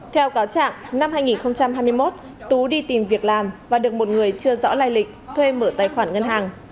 theo cáo trạng năm hai nghìn hai mươi một tú đi tìm việc làm và được một người chưa rõ lai lịch thuê mở tài khoản ngân hàng